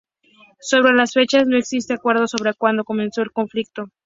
Sobre a las fechas no existe acuerdo sobre cuando comenzó el Conflicto.